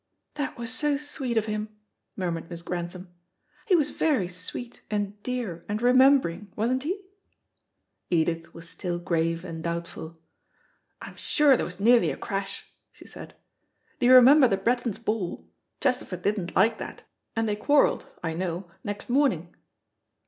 "That was so sweet of him," murmured Miss Grantham. "He was very sweet and dear and remembering, wasn't he?" Edith was still grave and doubtful. "I'm sure there was nearly a crash," she said. "Do you remember the Brettons' ball? Chesterford didn't like that, and they quarrelled, I know, next morning."